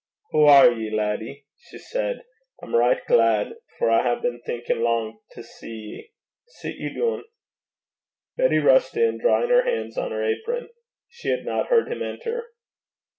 'Hoo are ye, laddie?' she said. 'I'm richt glaid, for I hae been thinkin' lang to see ye. Sit ye doon.' Betty rushed in, drying her hands on her apron. She had not heard him enter.